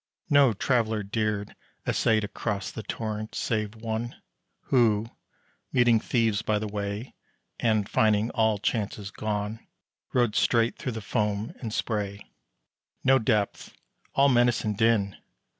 No Traveller dared essay To cross the Torrent, save one, Who, meeting thieves by the way, And, finding all chances gone, Rode straight through the foam and spray. No depth! All menace and din!